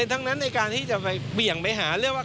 ทั้งนั้นในการที่จะไปเบี่ยงไปหาเรื่องว่า